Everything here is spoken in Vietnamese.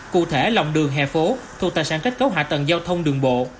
cụ thể lòng đường vỉa hè thuộc tài sản kết cấu hạ tầng giao thông đường bộ